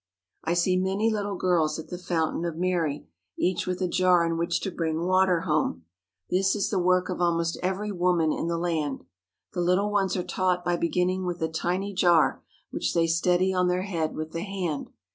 I see many little girls at the fountain of Mary, each with a jar in which to bring water home. This is the work of almost every woman in the land. The little ones are taught by beginning with a tiny jar which they steady on the head with the hand.